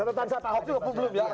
catatan saya pak ahok juga belum ya